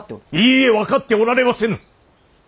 いいえ分かっておられませぬ！